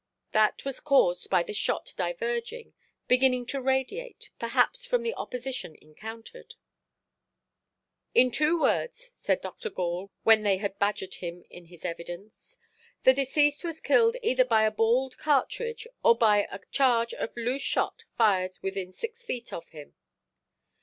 That was caused by the shot diverging, beginning to radiate, perhaps from the opposition encountered. "In two words", said Dr. Gall, when they had badgered him in his evidence, "the deceased was killed either by a balled cartridge, or by a charge of loose shot fired within six feet of him".